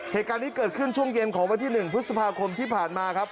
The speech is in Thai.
เหตุการณ์นี้เกิดขึ้นช่วงเย็นของวันที่๑พฤษภาคมที่ผ่านมาครับ